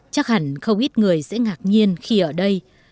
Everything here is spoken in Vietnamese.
chắc hẳn không ít người sẽ ngạc nhiên khi ở đây